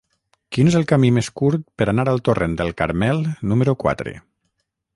Quin és el camí més curt per anar al torrent del Carmel número quatre?